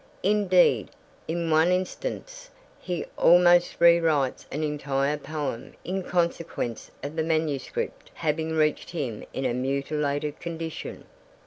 Indeed, in one instance he almost re writes an entire poem in consequence of the manuscript having reached him in a mutilated condition.